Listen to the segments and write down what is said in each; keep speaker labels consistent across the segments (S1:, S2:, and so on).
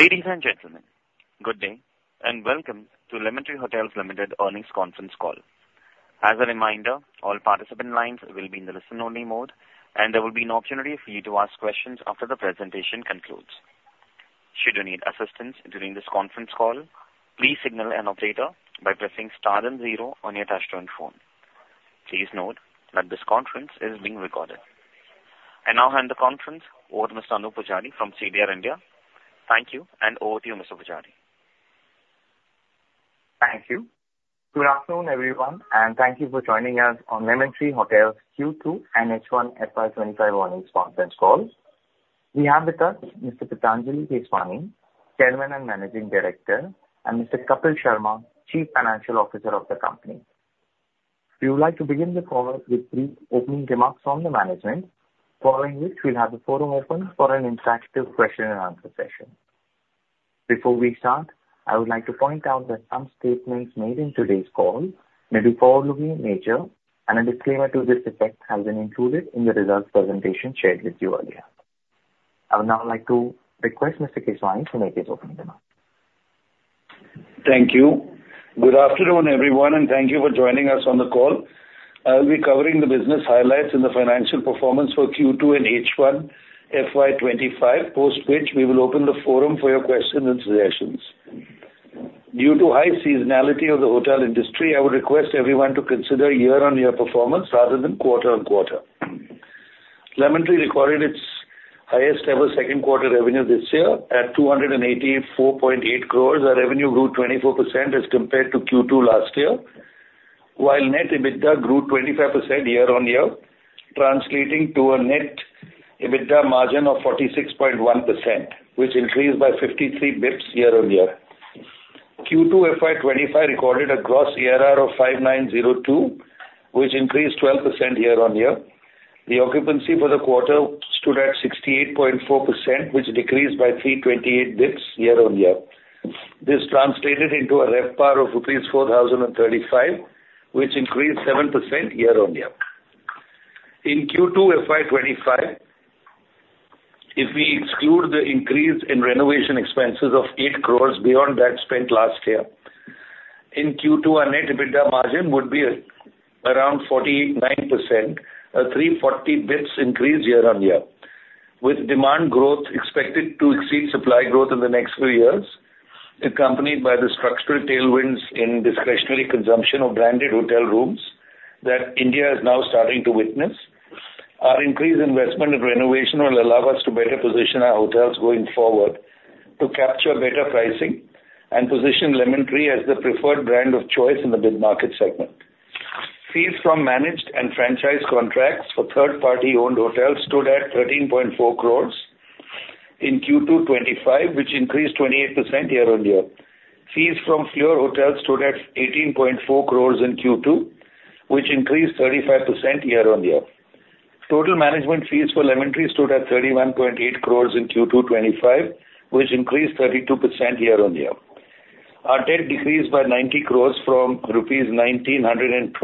S1: Ladies and gentlemen, good day, and welcome to Lemon Tree Hotels Limited earnings conference call. As a reminder, all participant lines will be in the listen-only mode, and there will be an opportunity for you to ask questions after the presentation concludes. Should you need assistance during this conference call, please signal an operator by pressing star and zero on your touch-tone phone. Please note that this conference is being recorded. I now hand the conference over to Mr. Anoop Poojari from CDR India. Thank you, and over to you, Mr. Poojari.
S2: Thank you. Good afternoon, everyone, and thank you for joining us on Lemon Tree Hotels' Q2 and H1 FY25 earnings conference call. We have with us Mr. Patanjali Keswani, Chairman and Managing Director, and Mr. Kapil Sharma, Chief Financial Officer of the company. We would like to begin the call with three opening remarks from the management, following which we'll have the forum open for an interactive question-and-answer session. Before we start, I would like to point out that some statements made in today's call may be forward-looking in nature, and a disclaimer to this effect has been included in the results presentation shared with you earlier. I would now like to request Mr. Keswani to make his opening remarks.
S3: Thank you. Good afternoon, everyone, and thank you for joining us on the call. I'll be covering the business highlights and the financial performance for Q2 and H1 FY 2025, post which we will open the forum for your questions and suggestions. Due to high seasonality of the hotel industry, I would request everyone to consider year-on-year performance rather than quarter-on-quarter. Lemon Tree recorded its highest-ever second-quarter revenue this year at 284.8 crores. Our revenue grew 24% as compared to Q2 last year, while net EBITDA grew 25% year-on-year, translating to a net EBITDA margin of 46.1%, which increased by 53 basis points year-on-year. Q2 FY25 recorded a gross ARR of 5,902, which increased 12% year-on-year. The occupancy for the quarter stood at 68.4%, which decreased by 328 basis points year-on-year. This translated into a RevPAR of rupees 4,035, which increased 7% year-on-year. In Q2 FY 2025, if we exclude the increase in renovation expenses of 8 crores beyond that spent last year, in Q2, our net EBITDA margin would be around 49%, a 340 basis points increase year-on-year, with demand growth expected to exceed supply growth in the next few years, accompanied by the structural tailwinds in discretionary consumption of branded hotel rooms that India is now starting to witness. Our increased investment in renovation will allow us to better position our hotels going forward to capture better pricing and position Lemon Tree as the preferred brand of choice in the mid-market segment. Fees from managed and franchise contracts for third-party-owned hotels stood at 13.4 crores in Q2 '25, which increased 28% year-on-year. Fees from Fleur Hotels stood at 18.4 crores in Q2, which increased 35% year-on-year. Total management fees for Lemon Tree stood at 31.8 crores in Q2 2025, which increased 32% year-on-year. Our debt decreased by 90 crores from rupees 1,912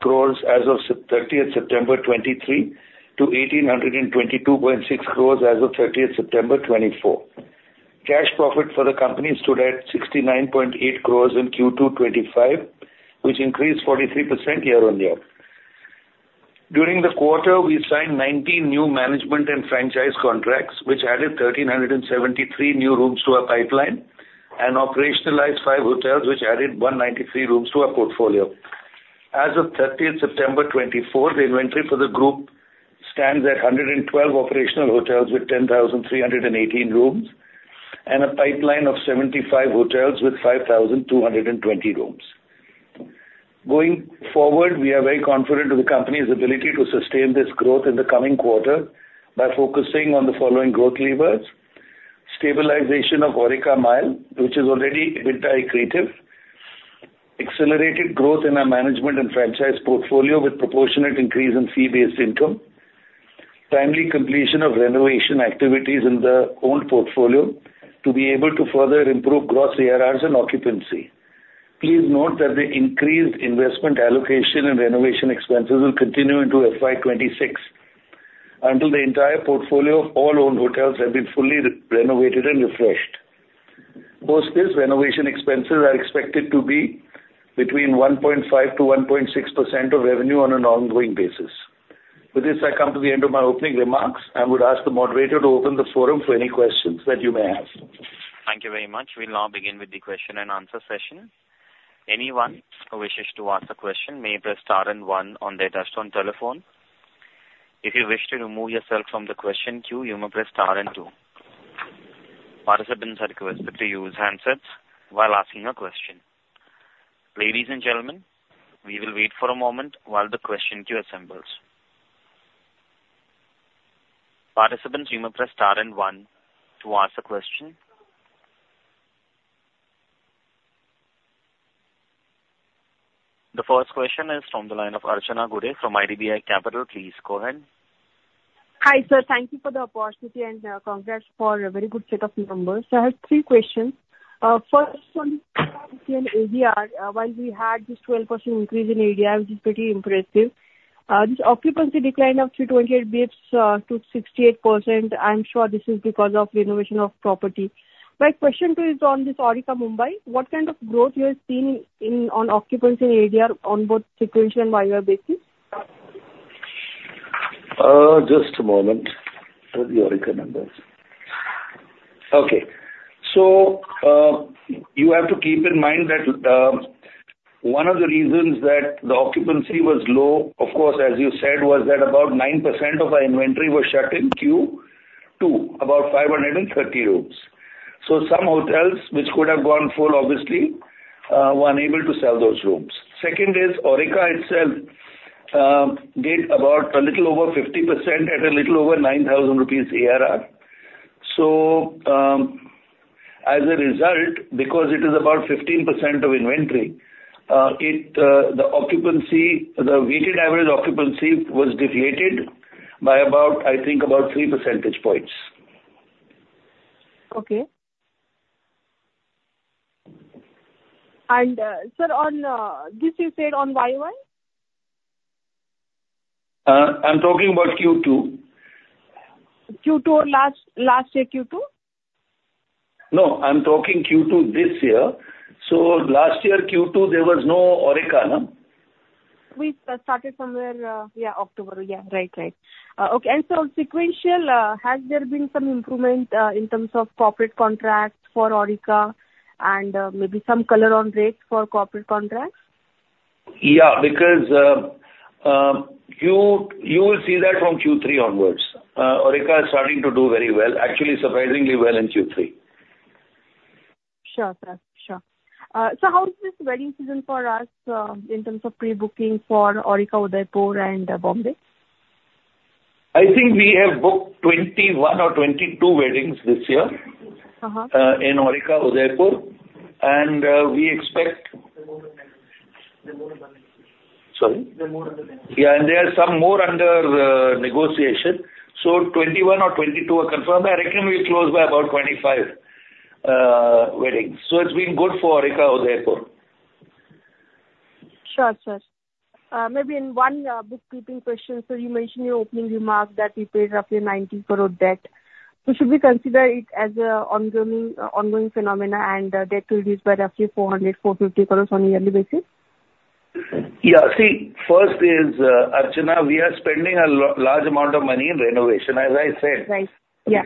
S3: crores as of 30 September 2023 to 1,822.6 crores as of 30 September 2024. Cash profit for the company stood at 69.8 crores in Q2 2025, which increased 43% year-on-year. During the quarter, we signed 19 new management and franchise contracts, which added 1,373 new rooms to our pipeline, and operationalized five hotels, which added 193 rooms to our portfolio. As of 30 September 2024, the inventory for the group stands at 112 operational hotels with 10,318 rooms and a pipeline of 75 hotels with 5,220 rooms. Going forward, we are very confident in the company's ability to sustain this growth in the coming quarter by focusing on the following growth levers: stabilization of Aurika, Mumbai Skycity, which is already EBITDA positive, accelerated growth in our management and franchise portfolio with proportionate increase in fee-based income, and timely completion of renovation activities in the owned portfolio to be able to further improve gross ARRs and occupancy. Please note that the increased investment allocation in renovation expenses will continue into FY 2026 until the entire portfolio of all owned hotels has been fully renovated and refreshed. Post this, renovation expenses are expected to be between 1.5%-1.6% of revenue on an ongoing basis. With this, I come to the end of my opening remarks. I would ask the moderator to open the forum for any questions that you may have.
S1: Thank you very much. We'll now begin with the question-and-answer session. Anyone who wishes to ask a question may press star and one on their touch-tone telephone. If you wish to remove yourself from the question queue, you may press star and two. Participants are requested to use handsets while asking a question. Ladies and gentlemen, we will wait for a moment while the question queue assembles. Participants, you may press star and one to ask a question. The first question is from the line of Archana Gude from IDBI Capital. Please go ahead.
S4: Hi, sir. Thank you for the opportunity and congrats for a very good set of numbers. I have three questions. First, ADR, while we had this 12% increase in ADR, which is pretty impressive, this occupancy decline of 328 basis points to 68%, I'm sure this is because of renovation of property. My question is on this Aurika Mumbai. What kind of growth you have seen in occupancy in ADR on both sequential and variable basis?
S3: Just a moment. Where are the Aurika numbers? Okay. So you have to keep in mind that one of the reasons that the occupancy was low, of course, as you said, was that about 9% of our inventory was shut in Q2, about 530 rooms. So some hotels, which could have gone full, obviously, were unable to sell those rooms. Second is Aurika itself did about a little over 50% at a little over INR 9,000 ARR. So as a result, because it is about 15% of inventory, the weighted average occupancy was deflated by, I think, about 3 percentage points.
S4: Okay. And, sir, this you said on YoY?
S3: I'm talking about Q2.
S4: Q2 or last year Q2?
S3: No, I'm talking Q2 this year. So last year Q2, there was no Aurika, no?
S4: We started somewhere, yeah, October. Yeah, right, right. Okay. And so sequential, has there been some improvement in terms of corporate contracts for Aurika and maybe some color on rates for corporate contracts?
S3: Yeah, because you will see that from Q3 onwards. Aurika is starting to do very well, actually surprisingly well in Q3.
S4: Sure, sir. Sure. So how is this wedding season for us in terms of pre-booking for Aurika, Udaipur and Bombay?
S3: I think we have booked 21 or 22 weddings this year in Aurika, Udaipur, and we expect, sorry? Yeah, and there are some more under negotiation. So 21 or 22 are confirmed. I reckon we'll close by about 25 weddings. So it's been good for Aurika, Udaipur.
S4: Sure, sir. Maybe in one bookkeeping question, so you mentioned your opening remark that we paid roughly 90 crore debt. So should we consider it as an ongoing phenomenon and debt to reduce by roughly 400-450 crores on a yearly basis?
S3: Yeah. See, first is, Archana, we are spending a large amount of money in renovation. As I said,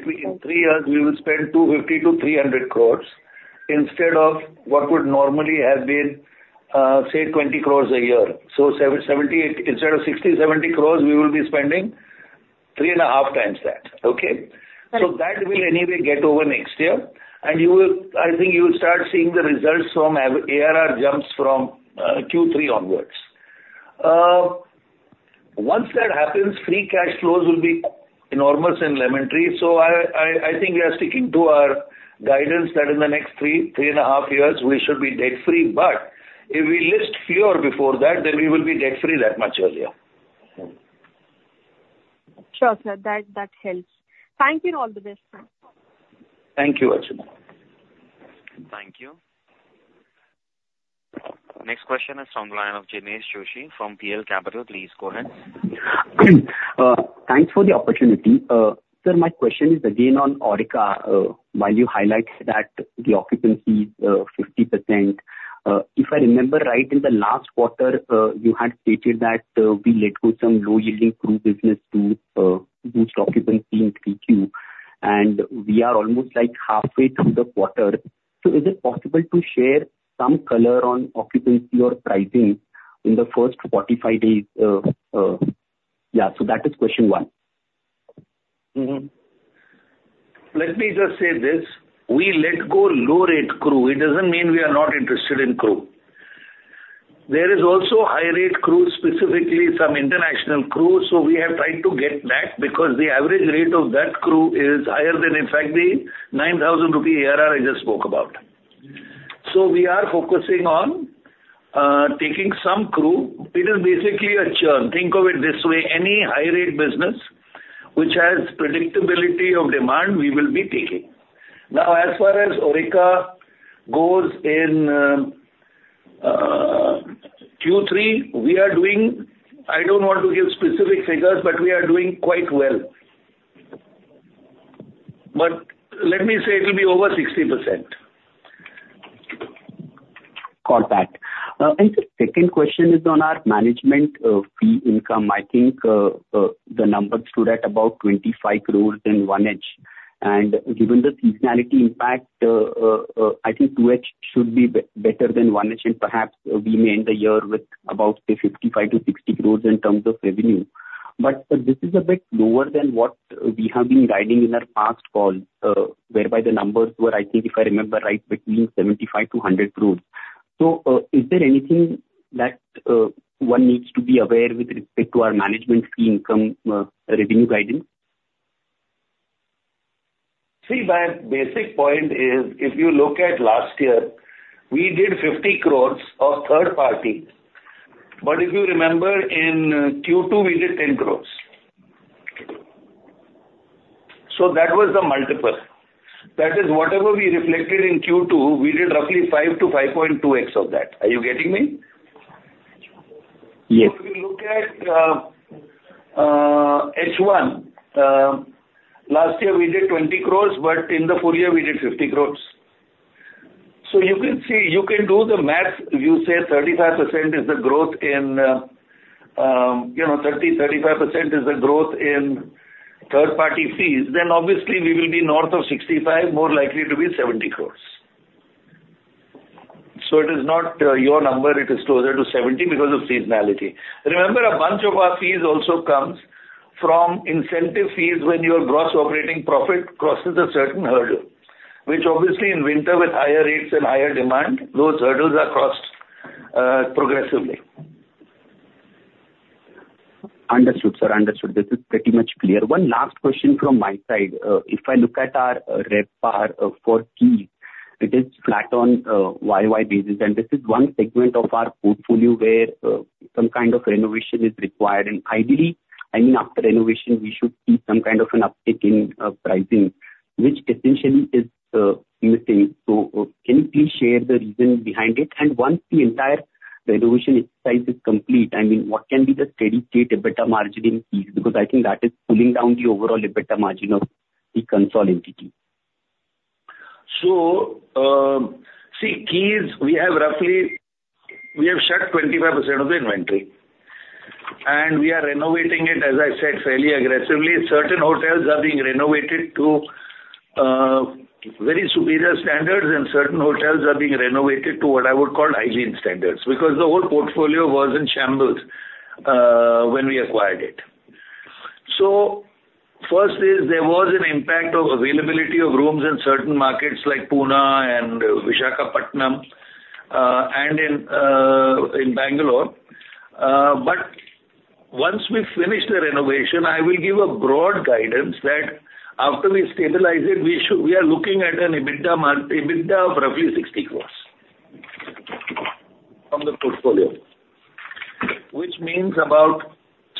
S3: between three years, we will spend 250 crores-300 crores instead of what would normally have been, say, 20 crores a year. So instead of 60 crores, 70 crores, we will be spending three and a half times that. Okay? So that will anyway get over next year. And I think you will start seeing the results from ARR jumps from Q3 onwards. Once that happens, free cash flows will be enormous in Lemon Tree. So I think we are sticking to our guidance that in the next three and a half years, we should be debt-free. But if we list Fleur before that, then we will be debt-free that much earlier.
S4: Sure, sir. That helps. Thank you and all the best.
S3: Thank you, Archana.
S1: Thank you. Next question is from the line of Jinesh Joshi from PL Capital. Please go ahead.
S5: Thanks for the opportunity. Sir, my question is again on Aurika. While you highlight that the occupancy is 50%, if I remember right, in the last quarter, you had stated that we let go some low-yielding crew business to boost occupancy in Q2, and we are almost halfway through the quarter, so is it possible to share some color on occupancy or pricing in the first 45 days? Yeah, so that is question one.
S3: Let me just say this. We let go low-rate crew. It doesn't mean we are not interested in crew. There is also high-rate crew, specifically some international crew. So we have tried to get back because the average rate of that crew is higher than, in fact, the 9,000 rupee ARR I just spoke about. So we are focusing on taking some crew. It is basically a churn. Think of it this way. Any high-rate business which has predictability of demand, we will be taking. Now, as far as Aurika goes in Q3, we are doing. I don't want to give specific figures, but we are doing quite well. But let me say it will be over 60%.
S5: Got that. And the second question is on our management fee income. I think the number stood at about 25 crores in Q1. And given the seasonality impact, I think Q2 should be better than Q1, and perhaps we may end the year with about 55 crores-60 crores in terms of revenue. But this is a bit lower than what we have been guiding in our past calls, whereby the numbers were, I think, if I remember right, between 75-100 crores. So is there anything that one needs to be aware with respect to our management fee income revenue guidance?
S3: See, my basic point is, if you look at last year, we did 50 crores of third party. But if you remember, in Q2, we did 10 crores. So that was the multiple. That is, whatever we reflected in Q2, we did roughly 5 to INR 5.2x of that. Are you getting me?
S5: Yes.
S3: So if you look at H1, last year, we did 20 crores, but in the full year, we did 50 crores. So you can do the math. You say 35% is the growth in 30%, 35% is the growth in third-party fees, then obviously, we will be north of 65, more likely to be 70 crores. So it is not your number. It is closer to 70 because of seasonality. Remember, a bunch of our fees also comes from incentive fees when your gross operating profit crosses a certain hurdle, which obviously, in winter, with higher rates and higher demand, those hurdles are crossed progressively.
S5: Understood, sir. Understood. This is pretty much clear. One last question from my side. If I look at our RevPAR for Keys, it is flat on YoY basis. And this is one segment of our portfolio where some kind of renovation is required. And ideally, I mean, after renovation, we should see some kind of an uptick in pricing, which essentially is missing. So can you please share the reason behind it? And once the entire renovation exercise is complete, I mean, what can be the steady-state EBITDA margin in Keys? Because I think that is pulling down the overall EBITDA margin of the consolidated.
S3: So, see, Keys, we have shut 25% of the inventory. And we are renovating it, as I said, fairly aggressively. Certain hotels are being renovated to very superior standards, and certain hotels are being renovated to what I would call hygiene standards because the whole portfolio was in shambles when we acquired it. So first is, there was an impact of availability of rooms in certain markets like Pune and Visakhapatnam and in Bangalore. But once we finish the renovation, I will give a broad guidance that after we stabilize it, we are looking at an EBITDA of roughly 60 crores from the portfolio, which means about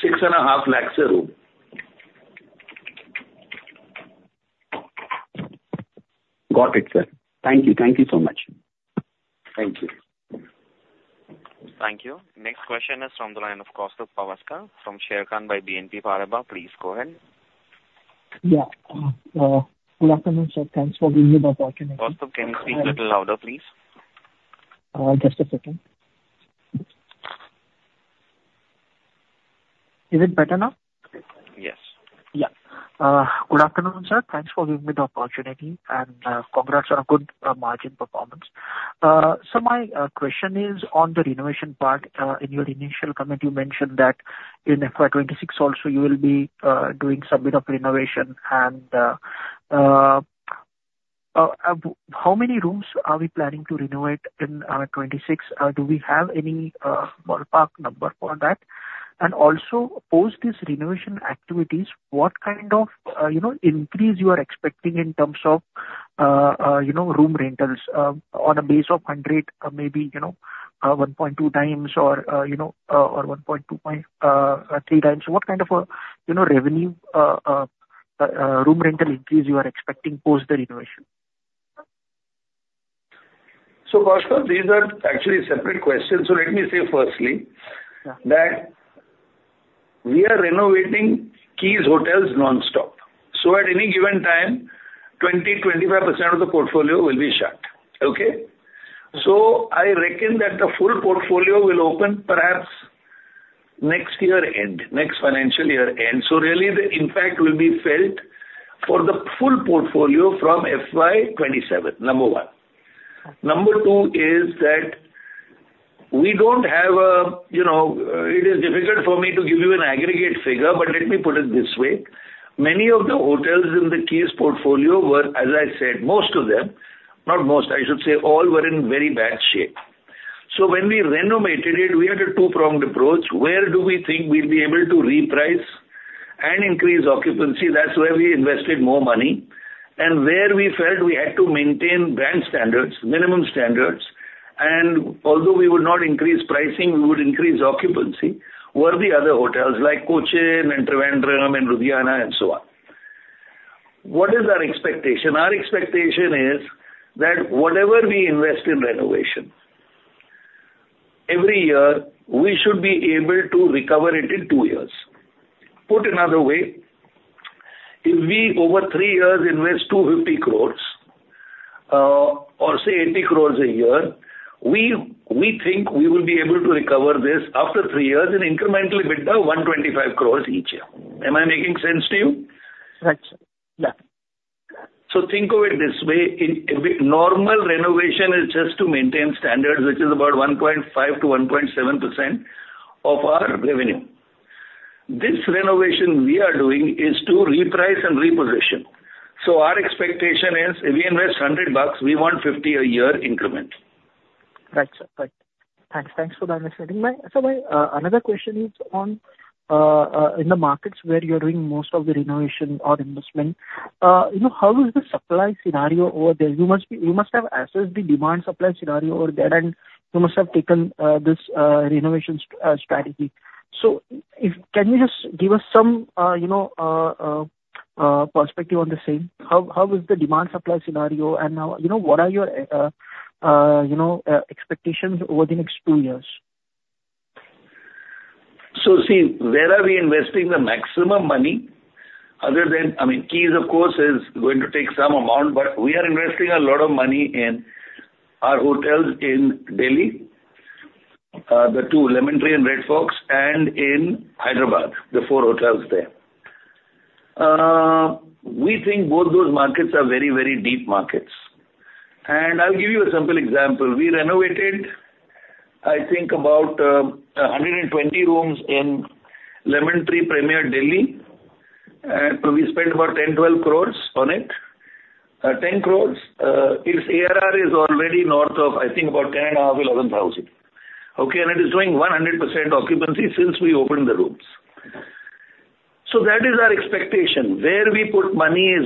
S3: 6.5 lakhs a room.
S5: Got it, sir. Thank you. Thank you so much.
S3: Thank you.
S1: Thank you. Next question is from the line of Kaustubh Pawaskar from Sharekhan by BNP Paribas. Please go ahead.
S6: Yeah. Good afternoon, sir. Thanks for giving me the opportunity.
S1: Kaustubh, can you speak a little louder, please?
S6: Just a second. Is it better now?
S1: Yes.
S6: Yeah. Good afternoon, sir. Thanks for giving me the opportunity. And congrats on a good margin performance. So my question is, on the renovation part, in your initial comment, you mentioned that in FY 2026 also, you will be doing some bit of renovation. And how many rooms are we planning to renovate in FY 2026? Do we have any ballpark number for that? And also, post this renovation activities, what kind of increase you are expecting in terms of room rentals on a base of 100, maybe 1.2x or 1.23x? What kind of revenue room rental increase you are expecting post the renovation?
S3: So Kaustubh, these are actually separate questions. So let me say firstly that we are renovating Keys Hotels non-stop. So at any given time, 20%, 25% of the portfolio will be shut. Okay? So I reckon that the full portfolio will open perhaps next year end, next financial year end. So really, the impact will be felt for the full portfolio from FY 2027. Number one. Number two is that we don't have a, it is difficult for me to give you an aggregate figure, but let me put it this way. Many of the hotels in the Keys portfolio were, as I said, most of them, not most, I should say, all were in very bad shape. So when we renovated it, we had a two-pronged approach. Where do we think we'll be able to reprice and increase occupancy? That's where we invested more money. Where we felt we had to maintain brand standards, minimum standards. Although we would not increase pricing, we would increase occupancy were the other hotels like Kochi, and Thiruvananthapuram, and Ludhiana, and so on. What is our expectation? Our expectation is that whatever we invest in renovation, every year, we should be able to recover it in two years. Put another way, if we over three years invest 250 crores or say 80 crores a year, we think we will be able to recover this after three years in incremental EBITDA of 125 crores each year. Am I making sense to you?
S6: Right. Yeah.
S3: So think of it this way. Normal renovation is just to maintain standards, which is about 1.5%-1.7% of our revenue. This renovation we are doing is to reprice and reposition. So our expectation is, if we invest INR 100, we want 50 a year increment.
S6: Right. Thanks for the understanding. So my another question is in the markets where you're doing most of the renovation or investment, how is the supply scenario over there? You must have assessed the demand supply scenario over there, and you must have taken this renovation strategy. So can you just give us some perspective on the same? How is the demand supply scenario? And what are your expectations over the next two years?
S3: So, see, where are we investing the maximum money other than—I mean, Keys, of course, is going to take some amount, but we are investing a lot of money in our hotels in Delhi, the two Lemon Tree and Red Fox, and in Hyderabad, the four hotels there. We think both those markets are very, very deep markets. And I'll give you a simple example. We renovated, I think, about 120 rooms in Lemon Tree Premier Delhi. And we spent about 10 crores-12 crores on it. 10 crores, its ARR is already north of, I think, about 10,500-11,000. Okay? And it is doing 100% occupancy since we opened the rooms. So that is our expectation. Where we put money is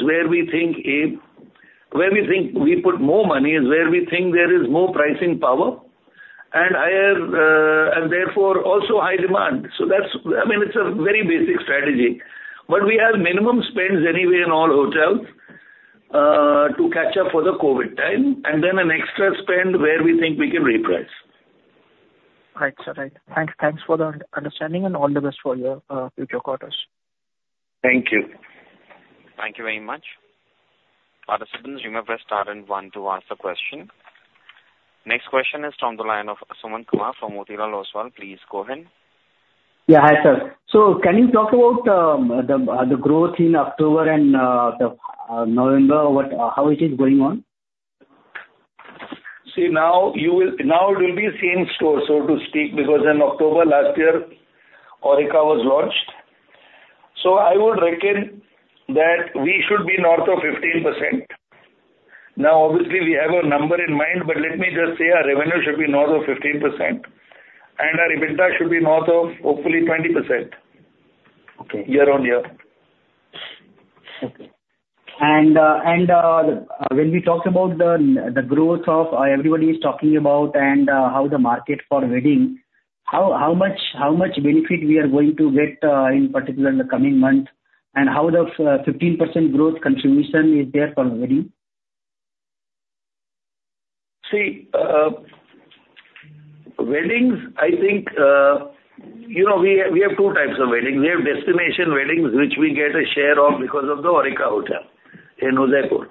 S3: where we think we put more money is where we think there is more pricing power and therefore also high demand. So I mean, it's a very basic strategy. But we have minimum spends anyway in all hotels to catch up for the COVID time, and then an extra spend where we think we can reprice.
S6: Right. Right. Thanks. Thanks for the understanding and all the best for your future quarters.
S3: Thank you.
S1: Thank you very much. Other participants, you may press star and one to ask the question. Next question is from the line of Sumant Kumar from Motilal Oswal. Please go ahead.
S7: Yeah. Hi, sir. So can you talk about the growth in October and November, how it is going on?
S3: See, now it will be same store, so to speak, because in October last year, Aurika was launched. So I would reckon that we should be north of 15%. Now, obviously, we have a number in mind, but let me just say our revenue should be north of 15%, and our EBITDA should be north of, hopefully, 20% year-on-year.
S7: Okay. And when we talk about the growth of everybody is talking about and how the market for wedding, how much benefit we are going to get in particular the coming month, and how the 15% growth contribution is there for wedding?
S3: See, weddings, I think we have two types of weddings. We have destination weddings, which we get a share of because of the Aurika Hotel in Udaipur.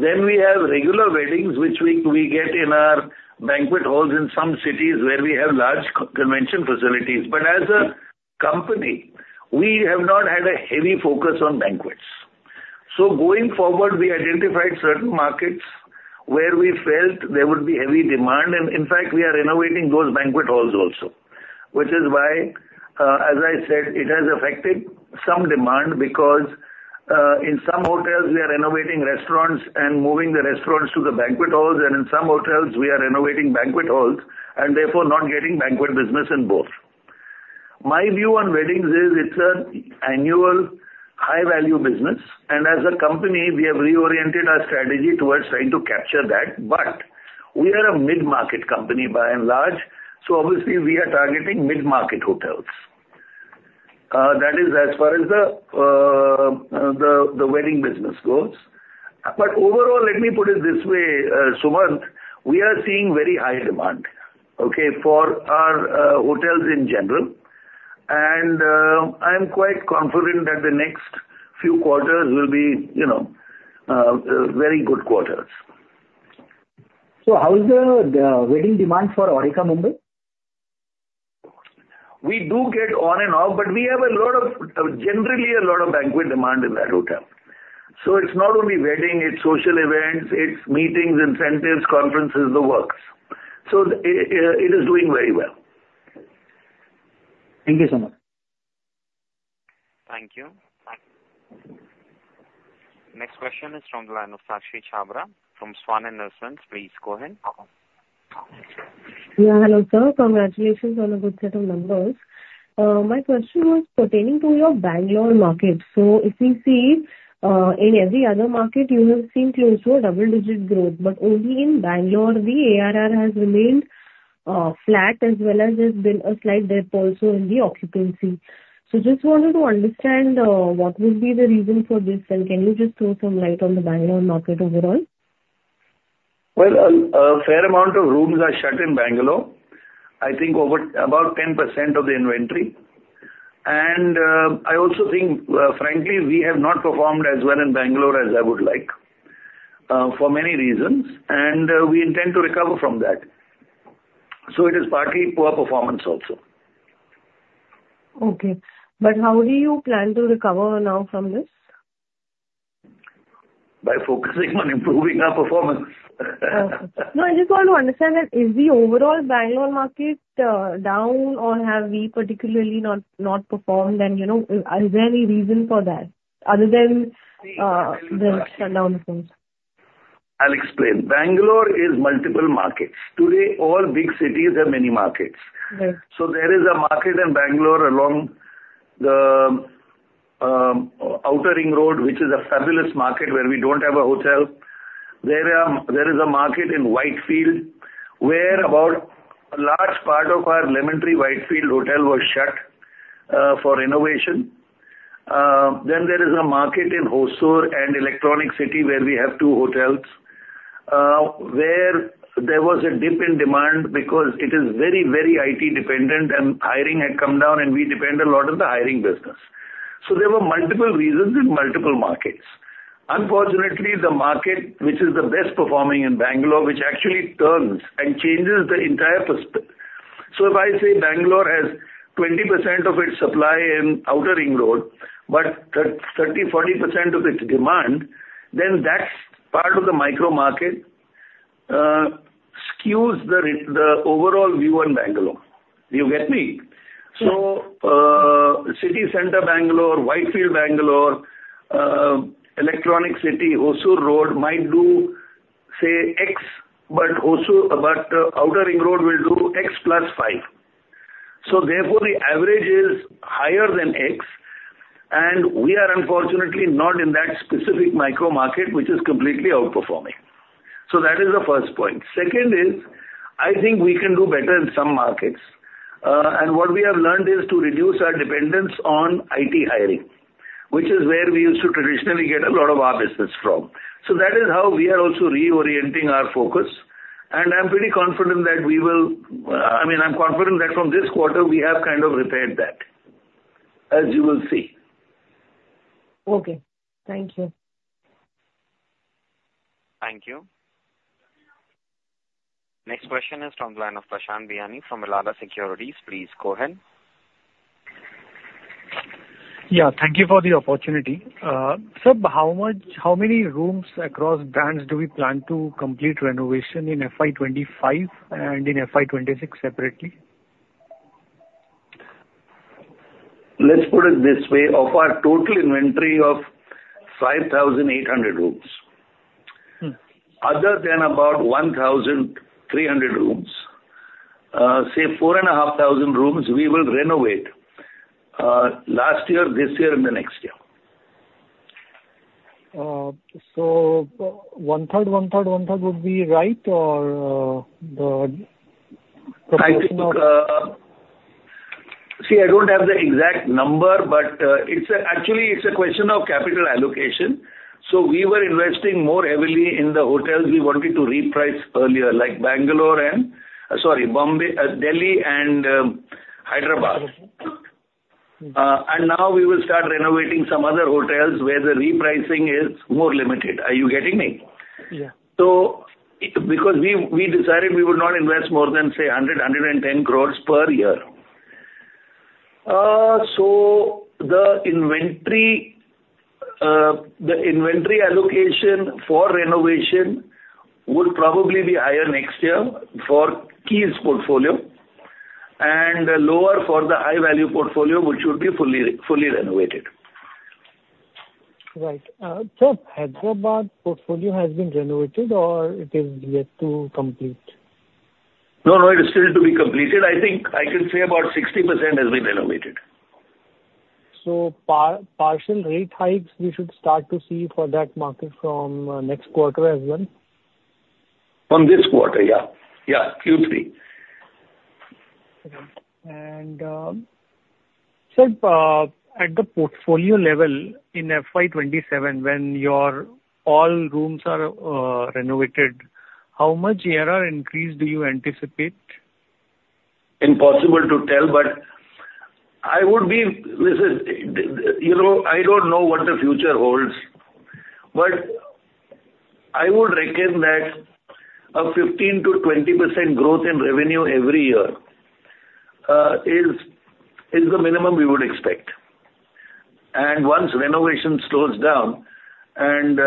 S3: Then we have regular weddings, which we get in our banquet halls in some cities where we have large convention facilities. But as a company, we have not had a heavy focus on banquets. So going forward, we identified certain markets where we felt there would be heavy demand. And in fact, we are renovating those banquet halls also, which is why, as I said, it has affected some demand because in some hotels, we are renovating restaurants and moving the restaurants to the banquet halls, and in some hotels, we are renovating banquet halls and therefore not getting banquet business in both. My view on weddings is it's an annual high-value business. As a company, we have reoriented our strategy towards trying to capture that. But we are a mid-market company by and large. So obviously, we are targeting mid-market hotels. That is as far as the wedding business goes. But overall, let me put it this way, Sumant, we are seeing very high demand, okay, for our hotels in general. And I'm quite confident that the next few quarters will be very good quarters.
S7: So how is the wedding demand for Aurika Mumbai?
S3: We do get on and off, but we have a lot of, generally, a lot of banquet demand in that hotel. So it's not only wedding, it's social events, it's meetings, incentives, conferences, the works. So it is doing very well.
S7: Thank you so much.
S1: Thank you. Next question is from the line of Sakshi Chhabra from Swan Investment Managers. Please go ahead.
S8: Yeah. Hello, sir. Congratulations on a good set of numbers. My question was pertaining to your Bangalore market. So if we see in every other market, you have seen close to a double-digit growth, but only in Bangalore, the ARR has remained flat as well as there's been a slight dip also in the occupancy. So just wanted to understand what would be the reason for this, and can you just throw some light on the Bangalore market overall?
S3: A fair amount of rooms are shut in Bangalore, I think about 10% of the inventory. I also think, frankly, we have not performed as well in Bangalore as I would like for many reasons, and we intend to recover from that. It is partly poor performance also.
S8: Okay, but how do you plan to recover now from this?
S3: By focusing on improving our performance.
S8: No. I just want to understand that is the overall Bangalore market down, or have we particularly not performed, and is there any reason for that other than the shutdown of rooms?
S3: I'll explain. Bangalore is multiple markets. Today, all big cities have many markets. So there is a market in Bangalore along the Outer Ring Road, which is a fabulous market where we don't have a hotel. There is a market in Whitefield where about a large part of our Lemon Tree Whitefield Hotel was shut for renovation. Then there is a market in Hosur and Electronic City where we have two hotels where there was a dip in demand because it is very, very IT-dependent, and hiring had come down, and we depend a lot on the hiring business. So there were multiple reasons in multiple markets. Unfortunately, the market, which is the best performing in Bangalore, which actually turns and changes the entire perspective. So if I say Bangalore has 20% of its supply in Outer Ring Road, but 30%-40% of its demand, then that part of the micro market skews the overall view on Bangalore. Do you get me? So City Center Bangalore, Whitefield Bangalore, Electronic City, Hosur Road might do, say, X, but Outer Ring Road will do X plus 5. So therefore, the average is higher than X, and we are unfortunately not in that specific micro market, which is completely outperforming. So that is the first point. Second is, I think we can do better in some markets. And what we have learned is to reduce our dependence on IT hiring, which is where we used to traditionally get a lot of our business from. So that is how we are also reorienting our focus. I'm pretty confident that we will, I mean, I'm confident that from this quarter, we have kind of repaired that, as you will see.
S8: Okay. Thank you.
S1: Thank you. Next question is from the line of Prashant Biyani from Elara Securities. Please go ahead.
S9: Yeah. Thank you for the opportunity. Sir, how many rooms across brands do we plan to complete renovation in FY 2025 and in FY 2026 separately?
S3: Let's put it this way. Of our total inventory of 5,800 rooms, other than about 1,300 rooms, say 4,500 rooms, we will renovate last year, this year, and the next year.
S9: One-third, 1/3, 1/3 would be right, or the proportion of?
S3: See, I don't have the exact number, but actually, it's a question of capital allocation. So we were investing more heavily in the hotels we wanted to reprice earlier, like Bangalore and, sorry, Delhi and Hyderabad. And now we will start renovating some other hotels where the repricing is more limited. Are you getting me?
S9: Yeah.
S3: So because we decided we would not invest more than, say, 100 crores-110 crores per year. So the inventory allocation for renovation would probably be higher next year for Keys portfolio and lower for the high-value portfolio, which would be fully renovated.
S9: Right. Sir, Hyderabad portfolio has been renovated, or it is yet to complete?
S3: No, no. It is still to be completed. I think I can say about 60% has been renovated.
S9: So partial rate hikes we should start to see for that market from next quarter as well?
S3: From this quarter, yeah. Yeah. Q3.
S9: Sir, at the portfolio level in FY 2027, when your all rooms are renovated, how much ARR increase do you anticipate?
S3: Impossible to tell, but I would be, listen. I don't know what the future holds, but I would reckon that a 15%-20% growth in revenue every year is the minimum we would expect. And once renovation slows down and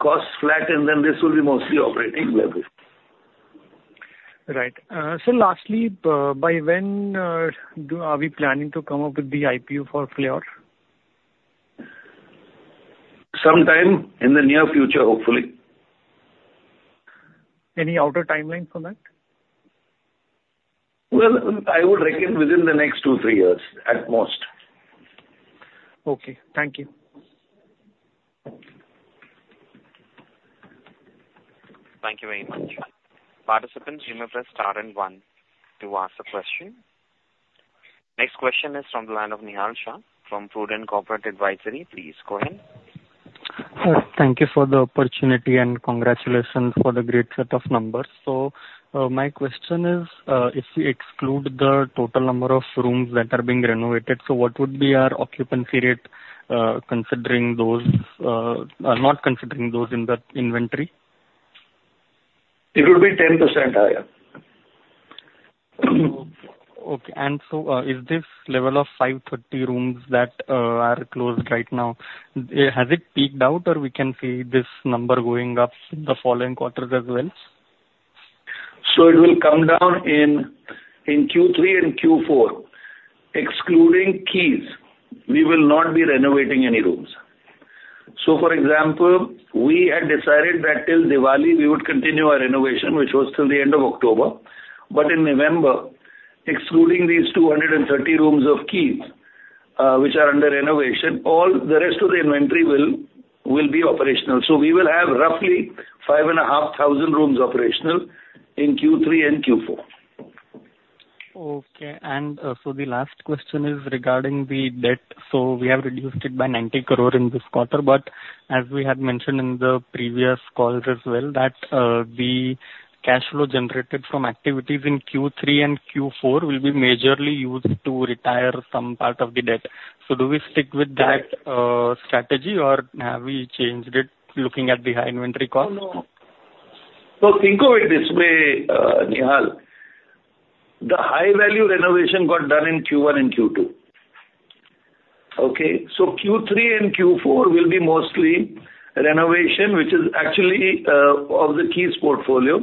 S3: costs flatten, then this will be mostly operating level.
S9: Right. Sir, lastly, by when are we planning to come up with the IPO for Fleur?
S3: Sometime in the near future, hopefully.
S9: Any other timeline for that?
S3: I would reckon within the next two, three years at most.
S9: Okay. Thank you.
S1: Thank you very much. Participants, you may press star and one to ask a question. Next question is from the line of Nihal Shah from Prudent Corporate Advisory. Please go ahead.
S10: Thank you for the opportunity and congratulations for the great set of numbers. My question is, if we exclude the total number of rooms that are being renovated, what would be our occupancy rate considering those in the inventory?
S3: It would be 10% higher.
S10: Okay. And so is this level of 530 rooms that are closed right now, has it peaked out, or we can see this number going up in the following quarters as well?
S3: So it will come down in Q3 and Q4. Excluding Keys, we will not be renovating any rooms. So for example, we had decided that till Diwali, we would continue our renovation, which was till the end of October. But in November, excluding these 230 rooms of Keys which are under renovation, all the rest of the inventory will be operational. So we will have roughly 5,500 rooms operational in Q3 and Q4.
S10: Okay. And so the last question is regarding the debt. So we have reduced it by 90 crore in this quarter, but as we had mentioned in the previous calls as well, that the cash flow generated from activities in Q3 and Q4 will be majorly used to retire some part of the debt. So do we stick with that strategy, or have we changed it looking at the high inventory cost?
S3: So think of it this way, Nihal. The high-value renovation got done in Q1 and Q2. Okay? So Q3 and Q4 will be mostly renovation, which is actually of the Keys portfolio.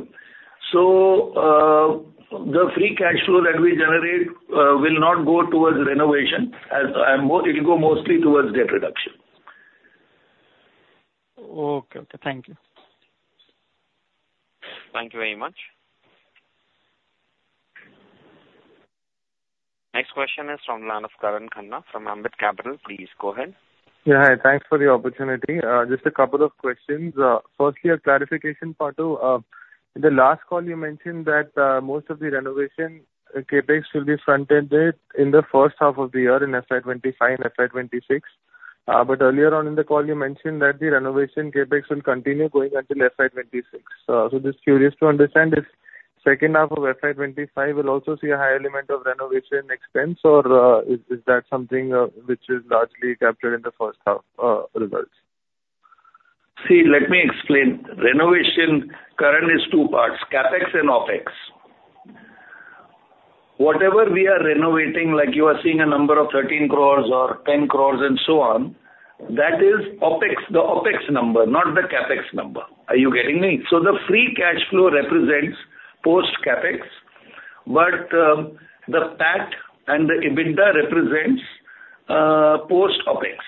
S3: So the free cash flow that we generate will not go towards renovation. It will go mostly towards debt reduction.
S10: Okay. Okay. Thank you.
S1: Thank you very much. Next question is from the line of Karan Khanna from Ambit Capital. Please go ahead.
S11: Yeah. Hi. Thanks for the opportunity. Just a couple of questions. Firstly, a clarification, Patu. In the last call, you mentioned that most of the renovation CapEx will be front-ended in the first half of the year in FY 2025 and FY 2026. But earlier on in the call, you mentioned that the renovation CapEx will continue going until FY 2026. So just curious to understand if the second half of FY 2025 will also see a high element of renovation expense, or is that something which is largely captured in the first half results?
S3: See, let me explain. Renovation currently is two parts: CapEx and OpEx. Whatever we are renovating, like you are seeing a number of 13 crores or 10 crores and so on, that is the OpEx number, not the CapEx number. Are you getting me? So the free cash flow represents post-CapEx, but the PAT and the EBITDA represents post-OpEx.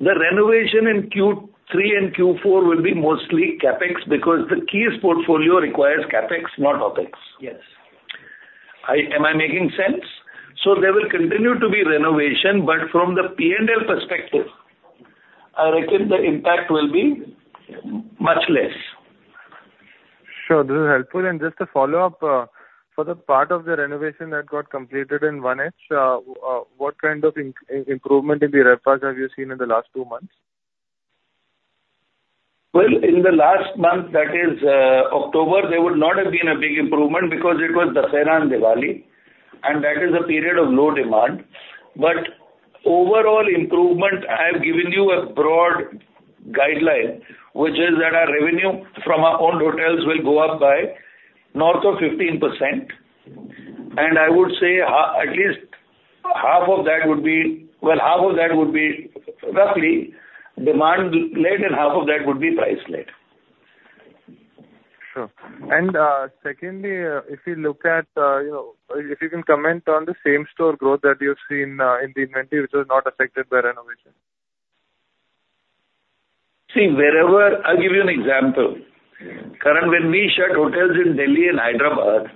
S3: The renovation in Q3 and Q4 will be mostly CapEx because the Keys portfolio requires CapEx, not OpEx.
S11: Yes.
S3: Am I making sense? So there will continue to be renovation, but from the P&L perspective, I reckon the impact will be much less.
S11: Sure. This is helpful, and just to follow up, for the part of the renovation that got completed in 1H, what kind of improvement in the repairs have you seen in the last two months?
S3: In the last month, that is October, there would not have been a big improvement because it was Dussehra and Diwali, and that is a period of low demand. Overall improvement, I have given you a broad guideline, which is that our revenue from our own hotels will go up by north of 15%. I would say at least half of that would be roughly demand-led, and half of that would be price-led.
S11: Sure. Secondly, if you can comment on the same store growth that you've seen in the inventory, which was not affected by renovation?
S3: See, I'll give you an example. Karan, when we shut hotels in Delhi and Hyderabad,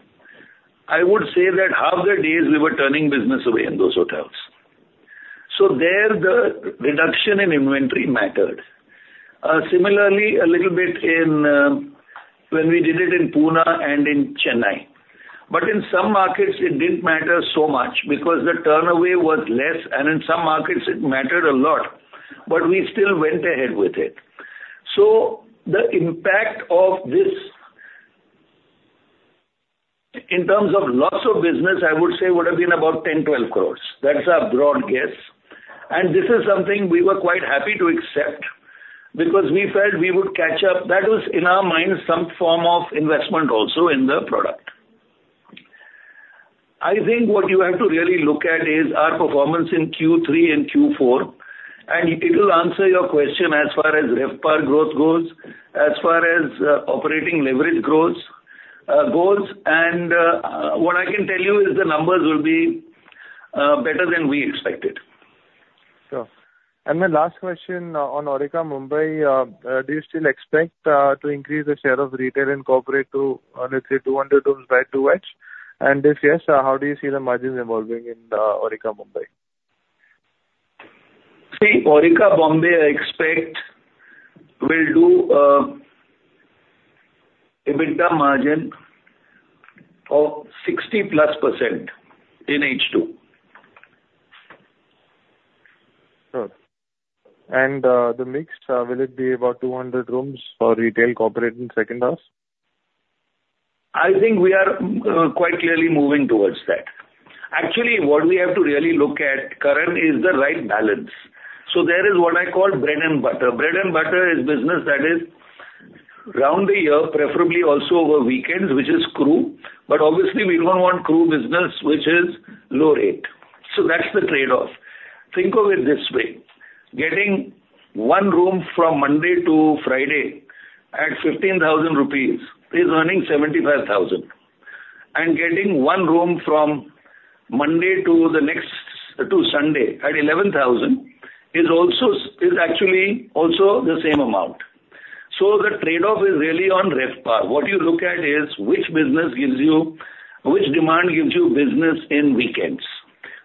S3: I would say that half the days we were turning business away in those hotels. So there, the reduction in inventory mattered. Similarly, a little bit when we did it in Pune and in Chennai. But in some markets, it didn't matter so much because the turnover was less, and in some markets, it mattered a lot, but we still went ahead with it. So the impact of this in terms of lots of business, I would say, would have been about 10 crore-12 crores. That's a broad guess. And this is something we were quite happy to accept because we felt we would catch up. That was, in our minds, some form of investment also in the product. I think what you have to really look at is our performance in Q3 and Q4, and it will answer your question as far as RevPAR growth goes, as far as operating leverage goals, and what I can tell you is the numbers will be better than we expected.
S11: Sure. And my last question on Aurika Mumbai, do you still expect to increase the share of retail and corporate to, let's say, 200 rooms by 2H? And if yes, how do you see the margins evolving in Aurika Mumbai?
S3: See, Aurika, Mumbai, I expect, will do EBITDA margin of 60+% in H2.
S11: Sure. And the mix, will it be about 200 rooms for retail corporate in second house?
S3: I think we are quite clearly moving towards that. Actually, what we have to really look at, Karan, is the right balance. So there is what I call bread and butter. Bread and butter is business that is round the year, preferably also over weekends, which is crew. But obviously, we don't want crew business, which is low rate. So that's the trade-off. Think of it this way. Getting one room from Monday to Friday at 15,000 rupees is earning 75,000. And getting one room from Monday to Sunday at 11,000 rupees is actually also the same amount. So the trade-off is really on RevPAR. What you look at is which business gives you which demand gives you business in weekends.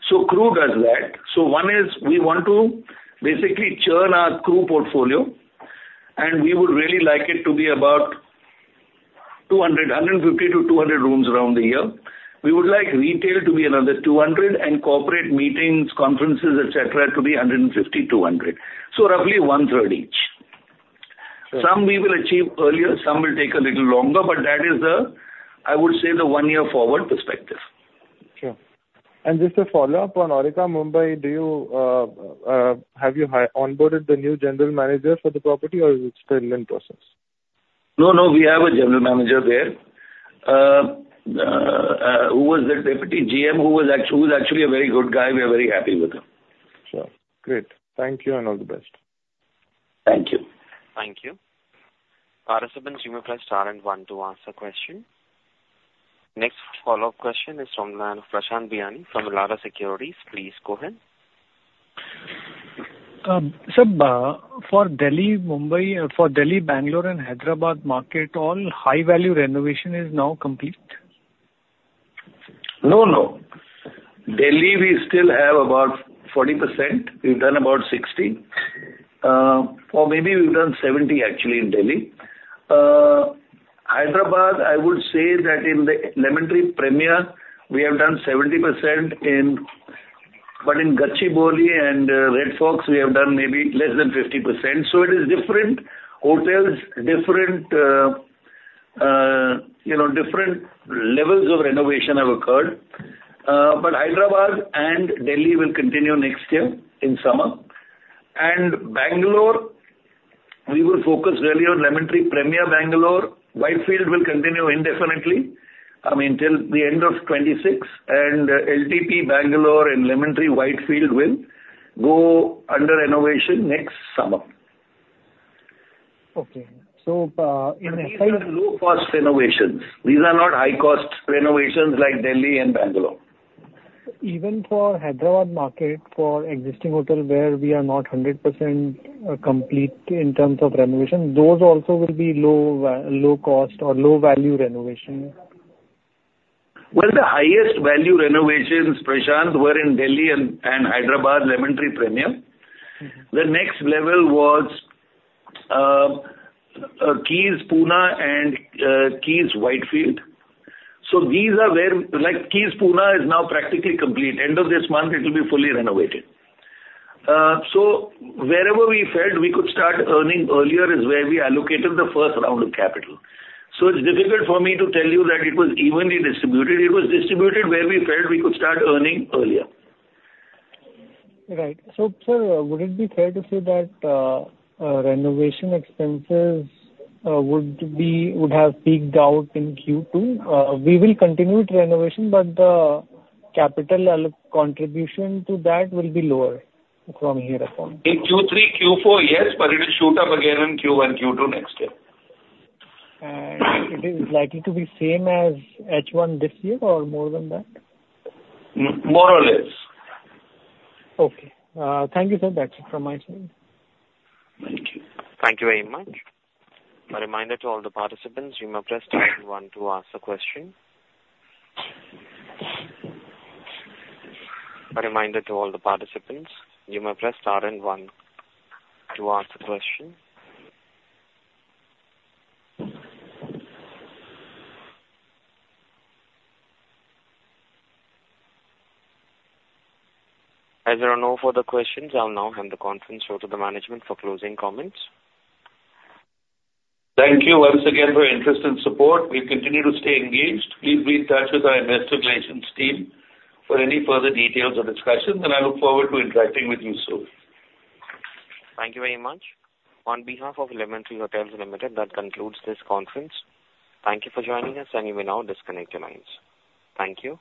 S3: So crew does that. So one is we want to basically churn our crew portfolio, and we would really like it to be about 150-200 rooms around the year. We would like retail to be another 200, and corporate meetings, conferences, etc., to be 150, 200. So roughly 130 each. Some we will achieve earlier, some will take a little longer, but that is the, I would say, the one-year-forward perspective.
S11: Sure. And just to follow up on Aurika, Mumbai, have you onboarded the new general manager for the property, or is it still in process?
S3: No, no. We have a general manager there. Who was that deputy? GM, who was actually a very good guy. We are very happy with him.
S11: Sure. Great. Thank you and all the best.
S3: Thank you.
S1: Thank you. Participants, you may press star and one to ask a question. Next follow-up question is from the line of Prashant Biyani from Elara Securities. Please go ahead.
S9: Sir, for Delhi, Mumbai, Bangalore, and Hyderabad market, all high-value renovation is now complete?
S3: No, no. Delhi, we still have about 40%. We've done about 60%. Or maybe we've done 70%, actually, in Delhi. Hyderabad, I would say that in the Lemon Tree Premier, we have done 70%. But in Gachibowli and Red Fox, we have done maybe less than 50%. So it is different hotels, different levels of renovation have occurred. But Hyderabad and Delhi will continue next year in summer. Bangalore, we will focus really on Lemon Tree Premier Bangalore. Whitefield will continue indefinitely until the end of 2026. LTP Bangalore and Lemon Tree Whitefield will go under renovation next summer.
S9: Okay. So in the.
S3: These are low-cost renovations. These are not high-cost renovations like Delhi and Bangalore.
S9: Even for Hyderabad market, for existing hotel where we are not 100% complete in terms of renovation, those also will be low-cost or low-value renovation?
S3: The highest value renovations, Prashant, were in Delhi and Hyderabad Lemon Tree Premier. The next level was Keys Pune and Keys Whitefield. These are where Keys Pune is now practically complete. End of this month, it will be fully renovated. Wherever we felt we could start earning earlier is where we allocated the first round of capital. It's difficult for me to tell you that it was evenly distributed. It was distributed where we felt we could start earning earlier.
S9: Right. So sir, would it be fair to say that renovation expenses would have peaked out in Q2? We will continue with renovation, but the capital contribution to that will be lower from here on.
S3: In Q3, Q4, yes, but it will shoot up again in Q1, Q2 next year.
S9: It is likely to be same as H1 this year or more than that?
S3: More or less.
S9: Okay. Thank you, sir. That's it from my side.
S3: Thank you.
S1: Thank you very much. A reminder to all the participants, you may press star and one to ask a question. A reminder to all the participants, you may press star and one to ask a question. As there are no further questions, I'll now hand the conference over to the management for closing comments.
S3: Thank you once again for your interest and support. We'll continue to stay engaged. Please be in touch with our investor relations team for any further details or discussions, and I look forward to interacting with you soon.
S1: Thank you very much. On behalf of Lemon Tree Hotels Limited, that concludes this conference. Thank you for joining us, and you may now disconnect your lines. Thank you.